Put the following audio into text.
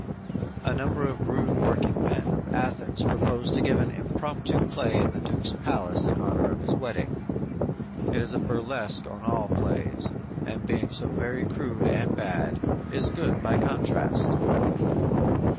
"_ A number of rude workingmen of Athens propose to give an impromptu play in the Duke's palace in honor of his wedding. It is a burlesque on all plays, and being so very crude and bad, is good by contrast!